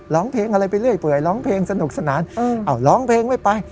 ร้องเพลงอะไรไปเรื่อยเปื่อยร้องเพลงสนุกสนานร้องเพลงไม่ไป